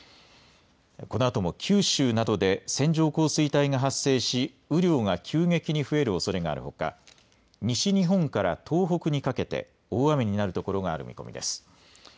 このあとも九州などで線状降水帯が発生し雨量が急激に増えるおそれがあるほか西日本から東北にかけて大雨になるところがある見込みです。